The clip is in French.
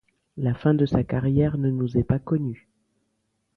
La fin de sa carrière ne nous est pas connue.